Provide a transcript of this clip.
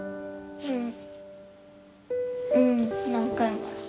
うん。